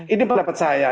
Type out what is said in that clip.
ini pendapat saya